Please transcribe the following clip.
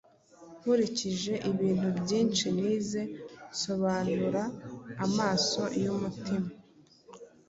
Nkurikije ibintu byinshi nize, nsobanura “amaso y’umutima”